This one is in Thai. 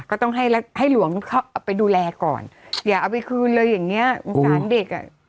ก็ต้องให้หลวงเข้าไปดูแลก่อนอย่าเอาไปคืนเลยอย่างเนี่ยสำคัญเด็กอะ